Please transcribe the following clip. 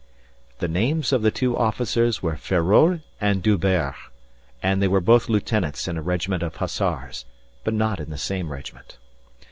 The names of the two officers were Feraud and D'Hubert, and they were both lieutenants in a regiment of hussars, but not in the same regiment.